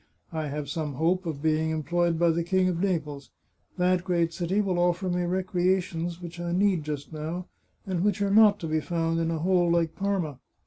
I have some hope of being employed by the King of Naples. That g^eat city will offer me recreations which I need just now, and which are not to be found in a hole like Parma.